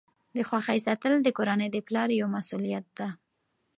د خوښۍ ساتل د کورنۍ د پلار یوه مسؤلیت ده.